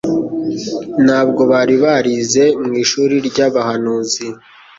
Ntabwo bari barize mu ishuri ry'abahanuzi,